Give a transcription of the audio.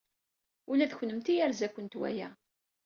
Ula d kennemti yerza-kent waya.